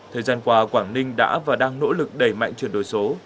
thời gian qua quảng ninh đã và đang nỗ lực đẩy mạnh chuyển đổi số